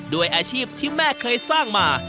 ด้วยอาชีพที่แม่เคยสร้างมา